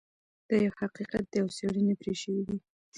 دا یو حقیقت دی او څیړنې پرې شوي دي